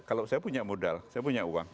kalau saya punya modal saya punya uang